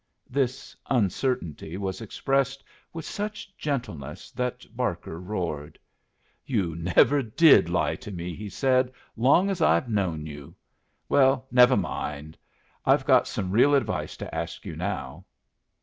This uncertainty was expressed with such gentleness that Barker roared. "You never did lie to me," he said, "long as I've known you. Well, never mind. I've got some real advice to ask you now."